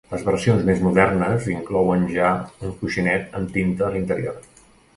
Les versions més modernes inclouen ja un coixinet amb tinta a l'interior.